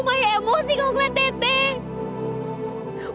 maya emosi kalau ngeliat teh teh